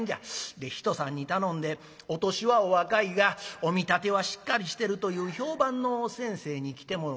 で人さんに頼んでお年はお若いがお見立てはしっかりしてるという評判の先生に来てもろうた。